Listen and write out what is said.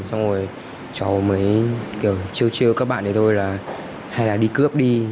xong rồi cháu mới chiêu chiêu các bạn này thôi là hay là đi cướp đi